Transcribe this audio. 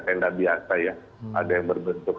tenda biasa ya ada yang berbentuk